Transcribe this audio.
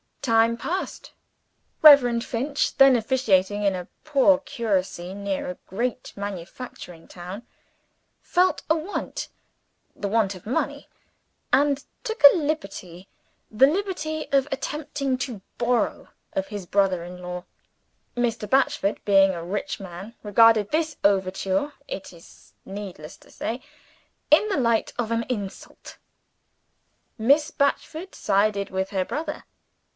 Time passed. Reverend Finch then officiating in a poor curacy near a great manufacturing town felt a want (the want of money); and took a liberty (the liberty of attempting to borrow of his brother in law). Mr. Batchford, being a rich man, regarded this overture, it is needless to say, in the light of an insult. Miss Batchford sided with her brother.